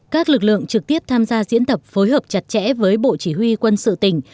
các lực lượng trực tiếp tham gia diễn tập phối hợp chặt chẽ với bộ chỉ huy quân sự tỉnh